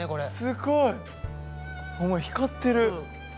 すごい！光ってる！